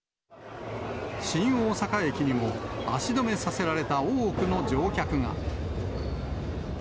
新大阪駅にも、足止めさせられた多くの乗客が。